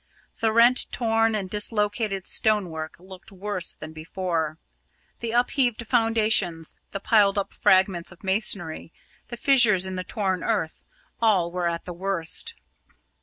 The rent, torn, and dislocated stonework looked worse than before; the upheaved foundations, the piled up fragments of masonry, the fissures in the torn earth all were at the worst.